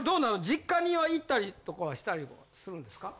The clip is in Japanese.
実家には行ったりとかはしたりするんですか？